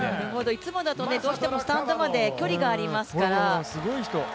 いつもだとどうしてもスタンドまで距離がありますから。